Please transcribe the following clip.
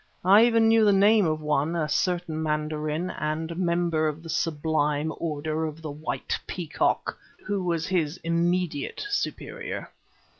I even knew the name of one, a certain mandarin, and member of the Sublime Order of the White Peacock, who was his immediate superior.